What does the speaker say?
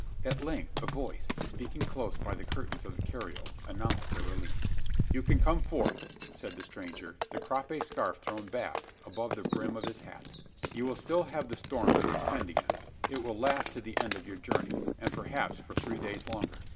At length a voice, speaking close by the curtains of the carriole, announced their release. "You can come forth!" said the stranger, the crape scarf thrown back above the brim of his hat. "You will still have the storm to contend against. It will last to the end of your journey; and, perhaps, for three days longer.